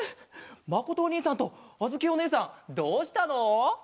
まことおにいさんとあづきおねえさんどうしたの？